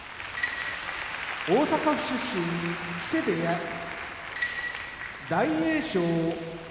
大阪府出身木瀬部屋大栄翔